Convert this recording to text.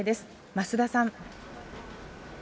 増田さん。